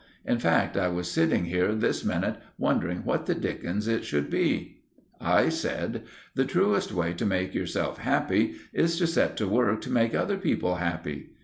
In fact, I was sitting here this minute wondering what the dickens it should be." I said— "The truest way to make yourself happy is to set to work to make other people happy."